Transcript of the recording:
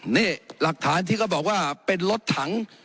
นี่หลักฐานที่เขาบอกว่าเป็นรถถัง